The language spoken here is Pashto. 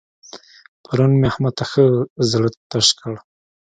پرون مې احمد ته ښه زړه تش کړ.